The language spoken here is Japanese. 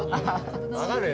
分かるよ。